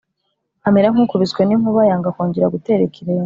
amera nk'ukubiswe n'inkuba yanga kongera gutera ikirenge